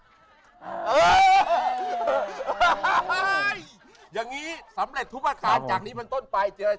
เยอะยังงี้สำเร็จทุกประการจากนี้มาสักต้อน